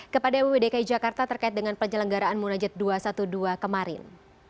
kepada mui dki jakarta terkait dengan penyelenggaraan munajat dua ratus dua belas kemarin